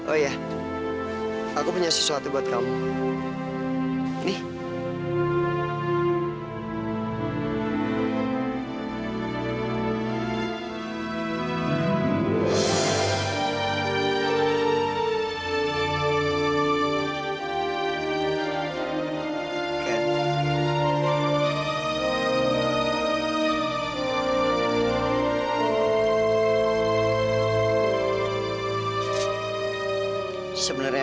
apa emang sebenarnya kita tuh udah pernah kenal satu sama lain